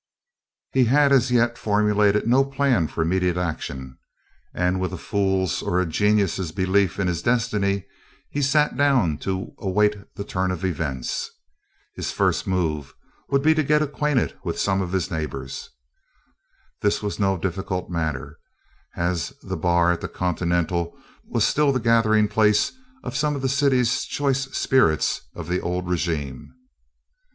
He had as yet formulated no plan of immediate action and with a fool's or a genius' belief in his destiny he sat down to await the turn of events. His first move would be to get acquainted with some of his neighbours. This was no difficult matter, as the bar of the Continental was still the gathering place of some of the city's choice spirits of the old regime.